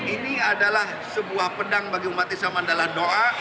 ini adalah sebuah pedang bagi umat isyamandala doa